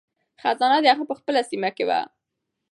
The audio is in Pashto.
خزانه د هغه په خپله سیمه کې وه.